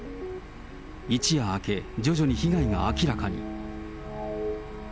一夜明け、徐々に被害が明らかに。